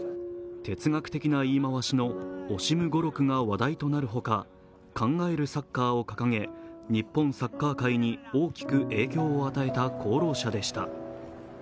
哲学的な言い回しのオシム語録が話題となるほか、考えるサッカーを掲げ日本サッカー界に大きく影響を与えた功労者でした。